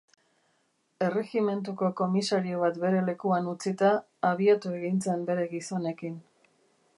Erregimentuko komisario bat bere lekuan utzita, abiatu egin zen bere gizonekin.